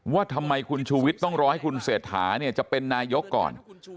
ว่าทำไมคุณชูวิทย์ต้องรอให้คุณเศรษฐาเนี่ยจะเป็นนายกก่อน